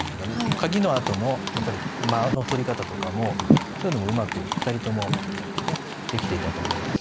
かぎのあとのやっぱり間の取り方とかもそういうのもうまく２人ともねできていたと思います。